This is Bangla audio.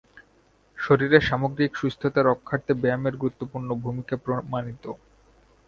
শরীরের সামগ্রিক সুস্থতা রক্ষার্থে ব্যায়ামের গুরুত্বপূর্ণ ভূমিকা প্রমাণিত।